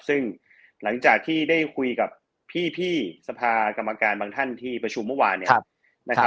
ซึ่งหลังจากที่ได้คุยกับพี่สภากรรมการบางท่านที่ประชุมเมื่อวาน